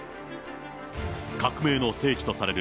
革命の聖地とされる